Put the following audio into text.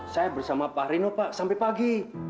saya bersama pak rino pak sampai pagi